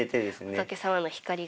仏様の光が。